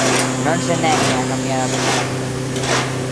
Non se neguen a cambiar a regulación.